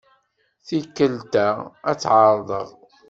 Tikkelt-a ad t-ɛerḍeɣ.